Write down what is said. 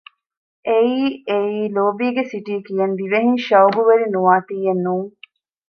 އެއީ އެއީ ލޯބީގެ ސިޓީ ކިޔަން ދިވެހިން ޝައުގުވެރި ނުވާތީއެއް ނޫން